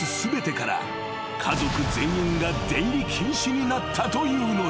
［家族全員が出入り禁止になったというのだ］